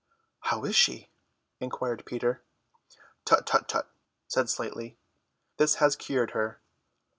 "How is she?" inquired Peter. "Tut, tut, tut," said Slightly, "this has cured her."